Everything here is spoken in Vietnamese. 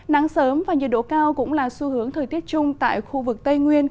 nắng sớm và nhiệt độ cao cũng là xu hướng thời tiết chung tại khu vực tây nguyên